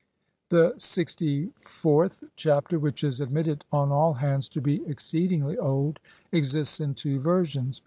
The LXIVth Chapter, which is admitted on all hands to be ex ceedingly old, exists in two versions.